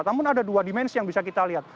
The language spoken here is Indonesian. namun ada dua dimensi yang bisa kita lihat